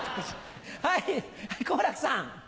はい好楽さん。